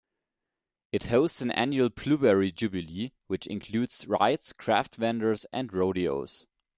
It hosts an annual Blueberry Jubilee, which includes rides, craft vendors, and rodeos.